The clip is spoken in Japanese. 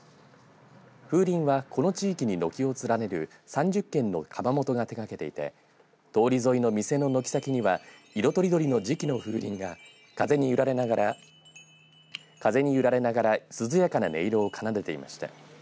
風鈴はこの地域に軒を連ねる３０軒の窯元が手がけていて通り沿いの店の軒先には色とりどりの磁器の風鈴が風に揺られながら涼やかな音色を奏でていました。